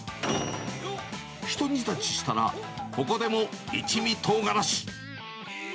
一煮立ちしたらここでも一味とうがらし。